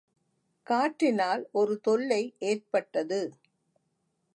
காற்றினால் ஒரு தொல்லை ஏற்பட்டது.